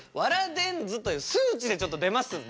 電図という数値で出ますんで。